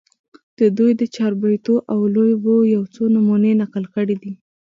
د دوي د چاربېتواو لوبو يو څو نمونې نقل کړي دي